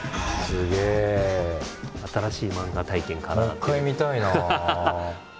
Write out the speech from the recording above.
もう一回見たいな。